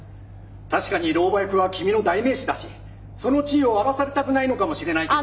確かに老婆役は君の代名詞だしその地位を荒らされたくないのかもしれないけど。